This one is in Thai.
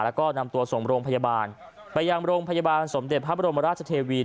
แล้วก็นำตัวส่งโรงพยาบาลไปยังโรงพยาบาลสมเด็จพระบรมราชเทวี